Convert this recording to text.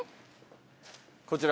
こちら。